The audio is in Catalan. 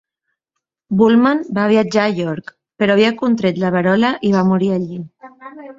Woolman va viatjar a York, però havia contret la verola i va morir allí.